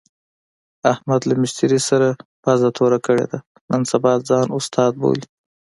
احمد له مستري سره پوزه توره کړې ده، نن سبا ځان استاد بولي.